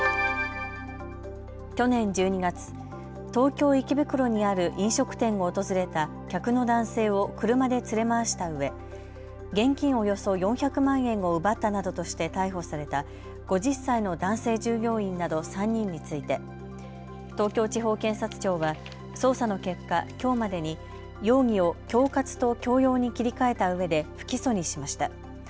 去年１２月、東京池袋にある飲食店を訪れた客の男性を車で連れ回したうえ現金およそ４００万円を奪ったなどとして逮捕された５０歳の男性従業員など３人について東京地方検察庁は捜査の結果きょうまでに容疑を恐喝と強要に切り替えたうえで不起訴にしました。